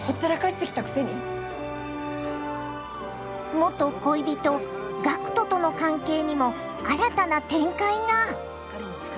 元恋人岳人との関係にも新たな展開が！